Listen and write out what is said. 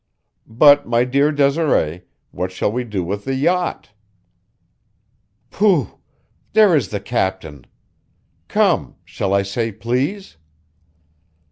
"But, my dear Desiree, what shall we do with the yacht?" "Pooh! There is the captain. Come shall I say please?"